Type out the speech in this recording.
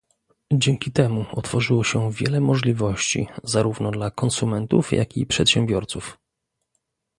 Dzięki temu otworzyło się wiele możliwości zarówno dla konsumentów jak i przedsiębiorców